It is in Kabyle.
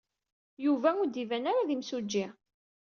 Yuba ur d-iban ara d imsujji.